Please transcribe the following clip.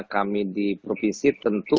kami di provinsi tentu